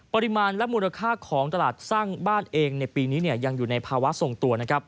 ปริมาณและมูลค่าของตลาดสร้างบ้านเองในปีนี้ยังอยู่ในภาวะทรงตัวนะครับ